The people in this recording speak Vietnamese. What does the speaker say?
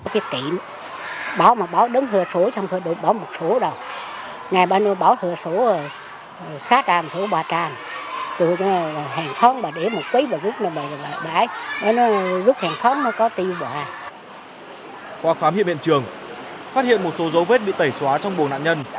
qua khám nghiệp miệng trường phát hiện một số dấu vết bị tẩy xóa trong bồ nạn nhân